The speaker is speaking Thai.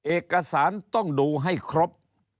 เอกสารต้องดูให้ครบ